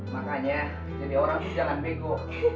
makanya jadi orang itu jangan bego